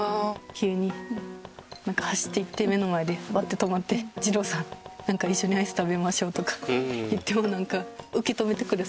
急に走っていって目の前でバッて止まって「じろうさん一緒にアイス食べましょう」とか言っても受け止めてくれそうだったんで。